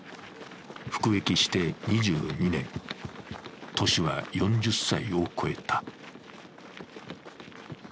服役して２２年、年は４０歳を超えた。